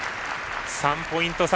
３ポイント差。